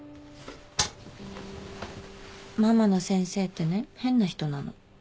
ママの先生ってね変な人なの。